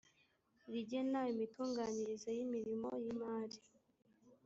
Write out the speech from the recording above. rigena imitunganyirize y imirimo y imari